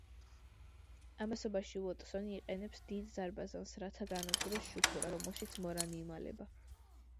ამასობაში უოტსონი იყენებს დიდ ზარბაზანს, რათა გაანადგუროს შუქურა, რომელშიც მორანი იმალება.